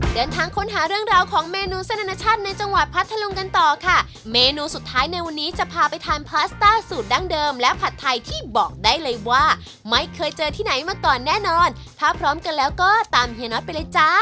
เดินทางค้นหาเรื่องราวของเมนูเส้นอนาชาติในจังหวัดพัทธลุงกันต่อค่ะเมนูสุดท้ายในวันนี้จะพาไปทานพาสต้าสูตรดั้งเดิมและผัดไทยที่บอกได้เลยว่าไม่เคยเจอที่ไหนมาก่อนแน่นอนถ้าพร้อมกันแล้วก็ตามเฮียน็อตไปเลยจ้า